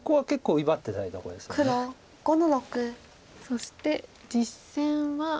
そして実戦は。